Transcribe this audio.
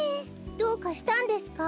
どうかしたんですか？